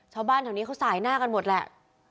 ชาวบ้านแถวนี้เขาสายหน้ากันหมดแหละ